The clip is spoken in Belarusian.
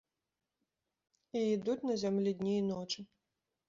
І ідуць на зямлі дні і ночы.